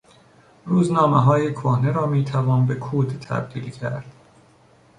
روزنامههای کهنه را میتوان به کود تبدیل کرد.